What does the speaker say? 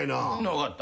分かった。